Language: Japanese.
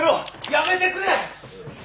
やめてくれ！